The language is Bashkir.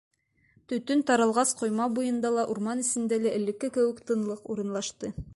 Төтөн таралғас, ҡойма буйында ла, урман эсендә лә элекке кеүек тынлыҡ урынлашты.